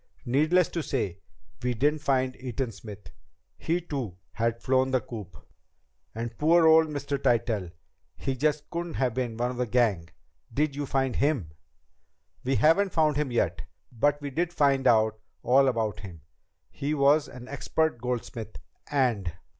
Needless to say, we didn't find Eaton Smith. He, too, had flown the coop." "And poor old Mr. Tytell ... he just couldn't have been one of the gang. Did you find him?" "We haven't yet found him, but we did find out all about him. He was an expert goldsmith, and